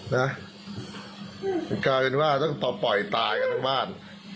ถึงเป็นว่าแต่ต่อป่อยตายกันบ้าน